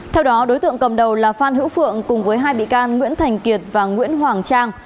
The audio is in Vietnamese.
theo đó đối tượng cầm đầu là phan hữu phượng cùng với hai bị can nguyễn thành kiệt và nguyễn hoàng trang